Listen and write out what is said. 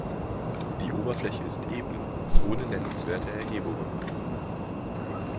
Die Oberfläche ist eben, ohne nennenswerte Erhebungen.